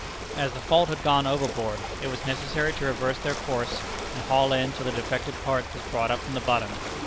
As the fault had gone overboard, it was necessary to reverse their course, and haul in till the defective part was brought up from the bottom.